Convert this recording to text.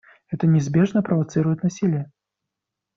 Это неизбежно провоцирует насилие.